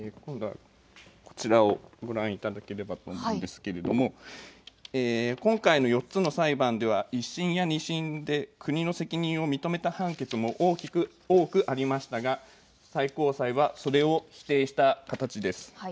今度はこちらをご覧いただければと思うんですけども今回の４つの裁判では１審や２審で国の責任を認めた判決も多くありましたが最高裁はそれを否定した形です。